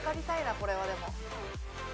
これはでも。